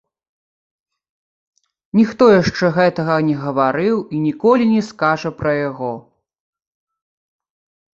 Ніхто яшчэ гэтага не гаварыў і ніколі не скажа пра яго.